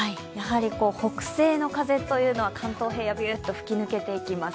北西の風というのは関東平野、びゅっと吹き抜けていきます。